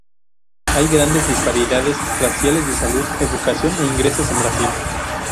Hay grandes disparidades raciales de salud, educación e ingresos en Brasil.